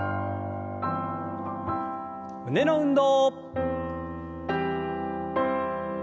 胸の運動。